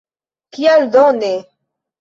Kial do ne?